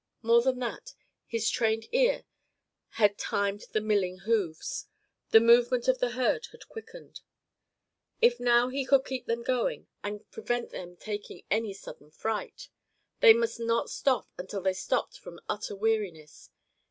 More than that, his trained ear had timed the milling hoofs. The movement of the herd had quickened. If now he could keep them going, and could prevent their taking any sudden fright! They must not stop until they stopped from utter weariness.